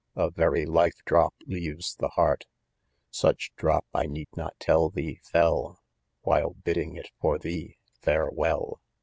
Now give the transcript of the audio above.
A very life "drop leaves the heart ; Such drop, I need not tell thee ? fell^ While "bidding 1 it for thee., farewell.